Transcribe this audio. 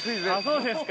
◆そうですか。